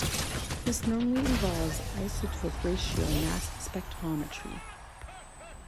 This normally involves isotope ratio mass spectrometry.